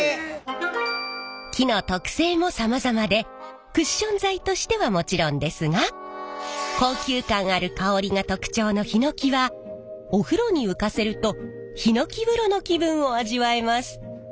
木の特性もさまざまでクッション材としてはもちろんですが高級感ある香りが特徴のヒノキはお風呂に浮かせるとヒノキ風呂の気分を味わえます。